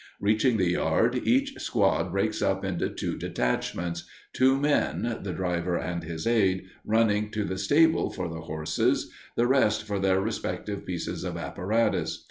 Reaching the yard, each squad breaks up into two detachments, two men, the driver and his aide, running to the stable for the horses, the rest for their respective pieces of apparatus.